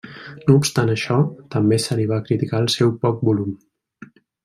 No obstant això, també se li va criticar el seu poc volum.